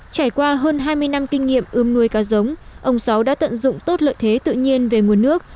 trải qua hơn hai mươi năm kinh nghiệm ươm nuôi cá giống ông sáu đã tận dụng tốt lợi thế tự nhiên về nguồn nước